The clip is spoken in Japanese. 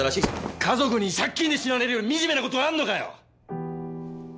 家族に借金で死なれるより惨めなことがあんのかよ！